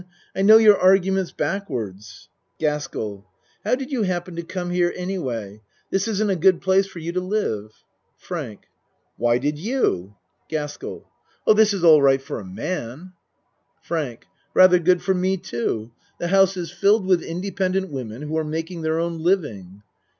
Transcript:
I know your arguments backwards. GASKELL How did you happen to come here anyway? This isn't a good place for you to live. FRANK Why did you? GASKELL Oh, this is all right for a man. ACT I 4* FRANK Rather good for me too. The house is filled with independent women who are making their own living.